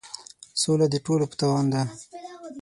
سوله د ټولو په تاوان ده.